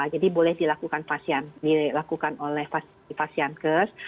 jadi boleh dilakukan oleh pasien kes